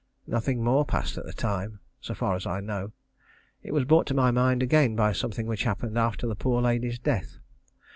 Nothing more passed at the time, so far as I know. It was brought to my mind again by something which happened after the poor lady's death.